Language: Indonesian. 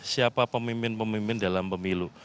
siapa pemimpin pemimpin dalam pemilu